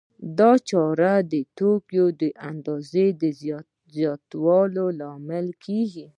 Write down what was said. دا چاره د توکو د اندازې د زیاتوالي لامل کېږي